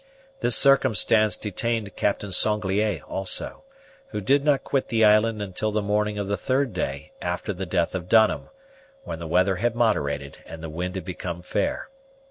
This circumstance detained Captain Sanglier also, who did not quit the island until the morning of the third day after the death of Dunham, when the weather had moderated, and the wind had become fair.